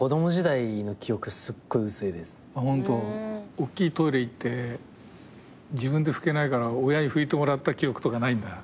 おっきいトイレ行って自分で拭けないから親に拭いてもらった記憶とかないんだ？